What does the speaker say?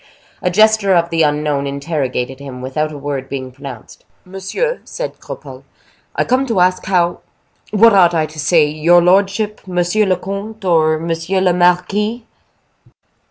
A gesture of the unknown interrogated him, without a word being pronounced. "Monsieur," said Cropole, "I come to ask how—what ought I to say: your lordship, monsieur le comte, or monsieur le marquis?"